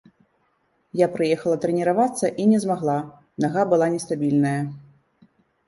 Я прыехала трэніравацца і не змагла, нага была нестабільная.